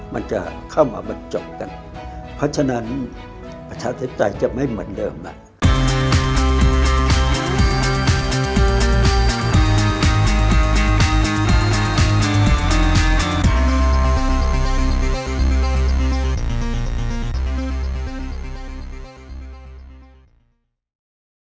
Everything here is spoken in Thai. มันจะเข้ามาบรรจบกันเพราะฉะนั้นประชาธิปไตยจะไม่เหมือนเดิมนะ